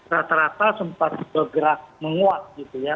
rata rata sempat bergerak menguat gitu ya